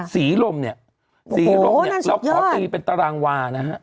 สีลมเนี่ยประตีเป็นตารางวานะ